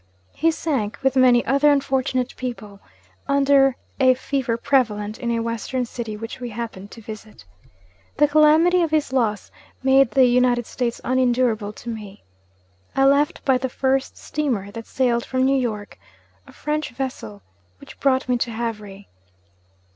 He sank, with many other unfortunate people, under a fever prevalent in a Western city which we happened to visit. The calamity of his loss made the United States unendurable to me. I left by the first steamer that sailed from New York a French vessel which brought me to Havre.